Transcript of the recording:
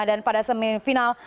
dan pada semis final